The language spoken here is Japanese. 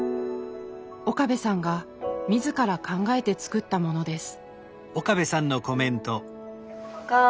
岡部さんが自ら考えて作ったものです。